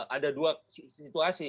ada dua situasi